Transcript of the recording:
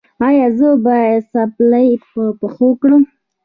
ایا زه باید څپلۍ په پښو کړم؟